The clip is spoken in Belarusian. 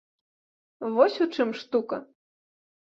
Вось у чым штука.